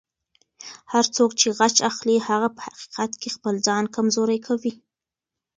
هر څوک چې غچ اخلي، هغه په حقیقت کې خپل ځان کمزوری کوي.